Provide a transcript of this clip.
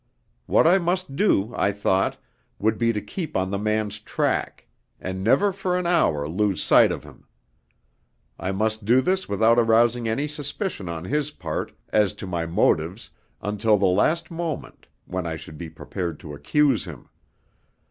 What I must do, I thought, would be to keep on the man's track, and never for an hour lose sight of him. I must do this without arousing any suspicion on his part as to my motives until the last moment, when I should be prepared to accuse him.